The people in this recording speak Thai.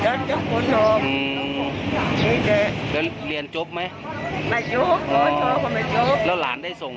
อาหารผมแตกว่าปเลขนี่จะทำให้เลี้ยง